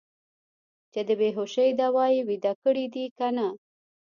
چې د بې هوشۍ دوا یې ویده کړي دي که نه.